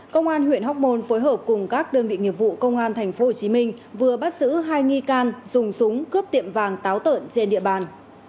công an huyện hóc môn phối hợp cùng các đơn vị nghiệp vụ công an tp hcm vừa bắt giữ hai nghi can dùng súng cướp tiệm vàng táo tợn trên địa bàn